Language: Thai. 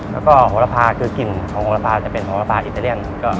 แล้วก็โหระพาคือกลิ่นของโหระพาจะเป็นหัวปลาอิตาเลียน